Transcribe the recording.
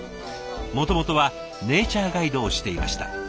もともとはネイチャーガイドをしていました。